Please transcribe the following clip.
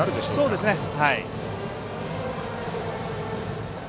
そうですね。